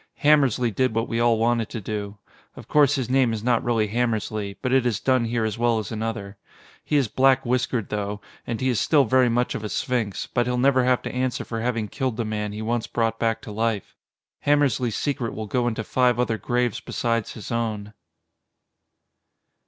Hammersly did what we all wanted to do. Of course his name is not really Hammersly, but it has done here as well as another. He is black whiskered though, and he is still very much of a sphinx, but he'll never have to answer for having killed the man he once brought back to life. Hammersly's secret will go into five other graves besides his own.